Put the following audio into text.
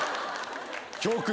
教訓